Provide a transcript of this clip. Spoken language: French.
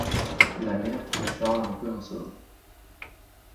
La mère trouvait Charles un peu insolent.